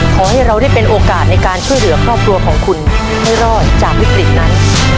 ขอให้เราได้เป็นโอกาสในการช่วยเหลือครอบครัวของคุณให้รอดจากวิกฤตนั้น